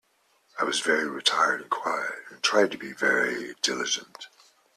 I was very retired and quiet, and tried to be very diligent.